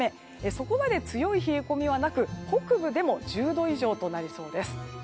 そこまで強い冷え込みはなく北部でも１０度以上となりそうです。